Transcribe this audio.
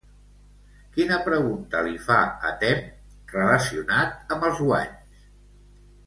Quina pregunta li fa a Temme relacionat amb els guanys?